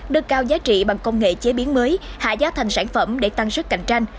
đưa cao giá trị bằng công nghệ chế biến mới hạ giá thành sản phẩm để tăng sức cạnh tranh